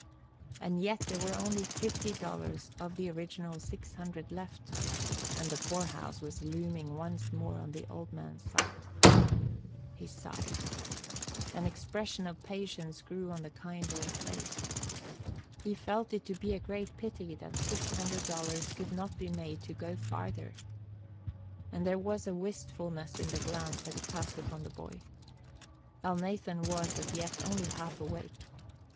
And yet there were only fifty dollars of the original six hundred left, and the poorhouse was looming once more on the old man's sight. He sighed. An expression of patience grew on the kind old face. He felt it to be a great pity that six hundred dollars could not be made to go farther. And there was a wistfulness in the glance he cast upon the boy. Elnathan was, as yet, only half awake.